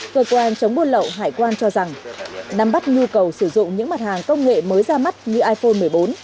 cơ quan chống buôn lậu hải quan cho rằng nắm bắt nhu cầu sử dụng những mặt hàng công nghệ mới ra mắt như iphone một mươi bốn